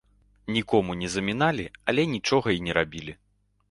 Нікому не заміналі, але нічога й не рабілі.